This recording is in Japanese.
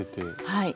はい。